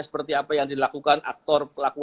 seperti apa yang dilakukan aktor pelaku